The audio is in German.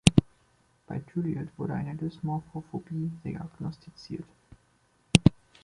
Bei Juliet wurde eine Dysmorphophobie diagnostiziert.